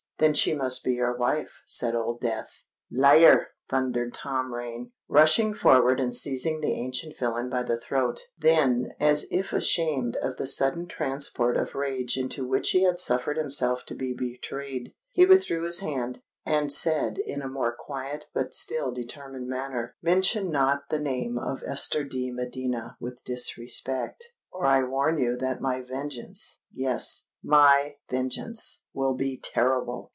"Then she must be your wife," said Old Death. "Liar!" thundered Tom Rain, rushing forward and seizing the ancient villain by the throat: then, as if ashamed of the sudden transport of rage into which he had suffered himself to be betrayed, he withdrew his hand, and said in a more quiet but still determined manner, "Mention not the name of Esther de Medina with disrespect—or I warn you that my vengeance—yes, my vengeance—will be terrible!